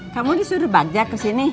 kamu disuruh bagja kesini